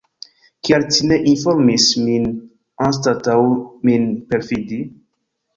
Kial ci ne informis min, anstataŭ min perfidi?